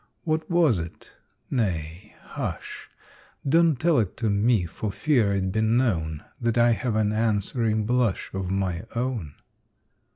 What was it? Nay, hush! Don't tell it to me, for fear it be known That I have an answering blush of my own.